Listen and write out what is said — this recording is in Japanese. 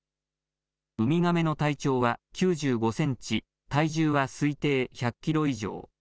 ウミガメの体長は９５センチ体重は推定１００キロ以上。